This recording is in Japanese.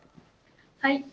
はい。